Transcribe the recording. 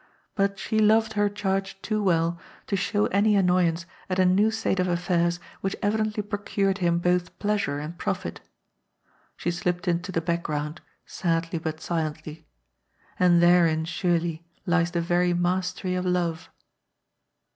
But she loved her charge too well to show any annoyance at a new state of affairs which evidently procured him both pleasure and profit. She slipped into the back* ground, sadly but silently. And therein, surely, lies the very mastery of love.